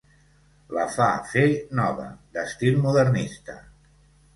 La fa fer nova, d'estil modernista.